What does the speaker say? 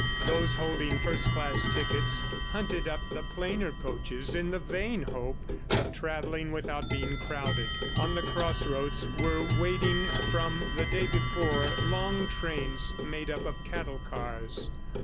Those holding first class tickets hunted up the plainer coaches in the vain hope of travelling without being crowded. On the cross roads were waiting from the day before long trains made up of cattle cars.